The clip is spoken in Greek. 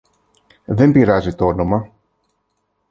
Δεν πειράζει τ' όνομα